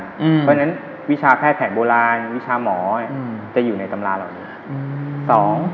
เพราะฉะนั้นวิชาแพทย์แผนโบราณวิชาหมอจะอยู่ในตำราเหล่านี้